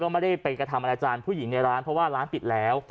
ไม่ได้เป็นกระทามันและจานผู้หญิงในร้านเพราะว่าร้านปิดแล้ว